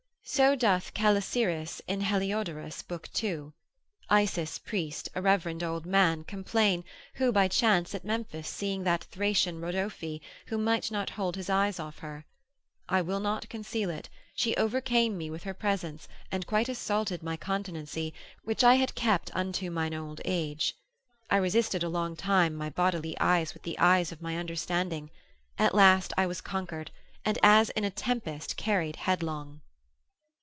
So doth Calysiris in Heliodorus, lib. 2. Isis Priest, a reverend old man, complain, who by chance at Memphis seeing that Thracian Rodophe, might not hold his eyes off her: I will not conceal it, she overcame me with her presence, and quite assaulted my continency which I had kept unto mine old age; I resisted a long time my bodily eyes with the eyes of my understanding; at last I was conquered, and as in a tempest carried headlong.